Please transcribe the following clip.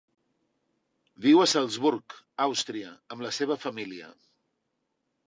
Viu a Salzburg, Austria, amb la seva família.